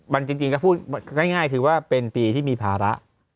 มันจริงก็พูดง่ายคือว่าเป็นปีที่มีภาระ